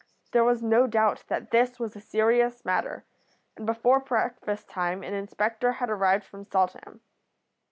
There was no doubt that this was a serious matter, and before breakfast time an inspector had arrived from Saltham.